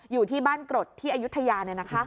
อยู่ที่บ้านกรดที่อายุทยา